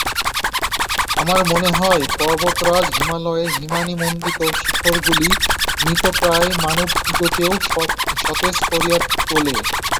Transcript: আমার মনে হয়, পর্বতরাজ হিমালয়ের হিমানীমণ্ডিত শিখরগুলি মৃতপ্রায় মানবদিগকেও সজীব করিয়া তোলে।